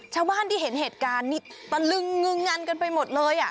ชาวบ้านที่เห็นเหตุการณ์นี้ตะลึงงึงงันกันไปหมดเลย